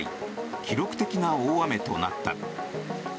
記録的な大雨となった。